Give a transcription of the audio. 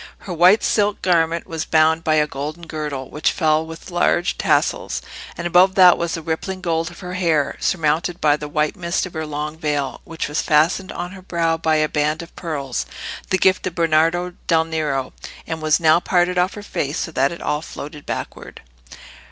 Her white silk garment was bound by a golden girdle, which fell with large tassels; and above that was the rippling gold of her hair, surmounted by the white mist of her long veil, which was fastened on her brow by a band of pearls, the gift of Bernardo del Nero, and was now parted off her face so that it all floated backward.